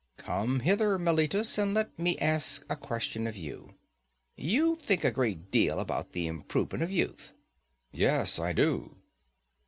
Come hither, Meletus, and let me ask a question of you. You think a great deal about the improvement of youth? Yes, I do.